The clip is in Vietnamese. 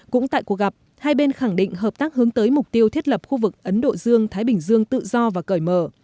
cũng tại cuộc gặp hai bên khẳng định hợp tác hướng tới mục tiêu thiết lập khu vực ấn độ dương thái bình dương tự do và cởi mở